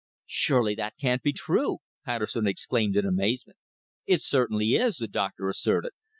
"Surely that can't be true!" Patterson exclaimed in amazement. "It certainly is," the doctor asserted.